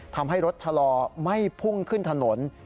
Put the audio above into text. ทำให้รถชะลอไม่พุ่งขึ้นถนน